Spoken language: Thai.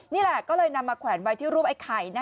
นี่แหละก็เลยนำมาแขวนไว้ที่รูปไอ้ไข่